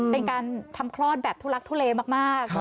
เป็นการทำคลอดแบบทุลักทุเลมาก